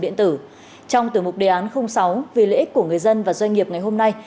điện tử trong tiểu mục đề án sáu vì lợi ích của người dân và doanh nghiệp ngày hôm nay